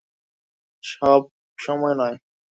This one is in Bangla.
সব সময়ে নয়।